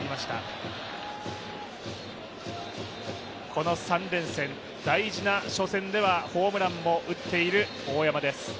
この３連戦、大事な初戦ではホームランも打っている大山です。